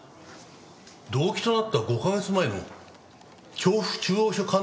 動機となった５カ月前の調布中央署